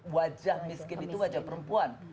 wajah miskin itu wajah perempuan